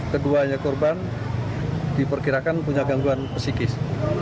keduanya korban diperkirakan punya gangguan psikis